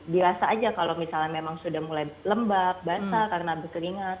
biasa aja kalau misalnya memang sudah mulai lembab basah karena berkeringat